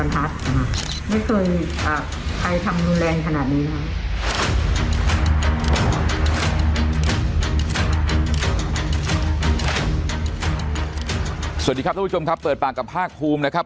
สวัสดีครับทุกผู้ชมครับเปิดปากกับภาคภูมินะครับ